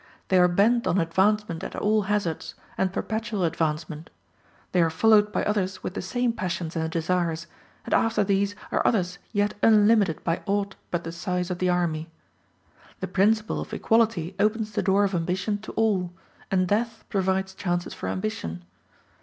They are bent on advancement at all hazards, and perpetual advancement; they are followed by others with the same passions and desires, and after these are others yet unlimited by aught but the size of the army. The principle of equality opens the door of ambition to all, and death provides chances for ambition.